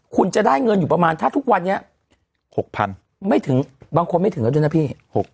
คุณจะได้เงินอยู่ประมาณถ้าทุกวันนี้๖๐๐๐ไม่ถึงบางคนไม่ถึงแล้วด้วยนะพี่